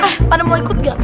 eh pak ustadz mau ikut gak